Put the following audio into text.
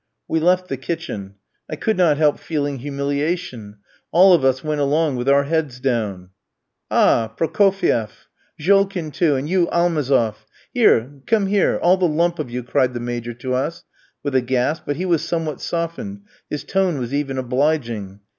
We left the kitchen. I could not help feeling humiliation; all of us went along with our heads down. "Ah, Prokofief! Jolkin too; and you, Almazof! Here, come here, all the lump of you!" cried the Major to us, with a gasp; but he was somewhat softened, his tone was even obliging.